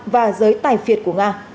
và giới tài phiệt của nga